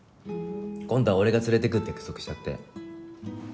今度は俺が連れて行くって約束しちゃって。